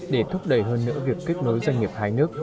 để thúc đẩy hơn nữa việc kết nối doanh nghiệp hai nước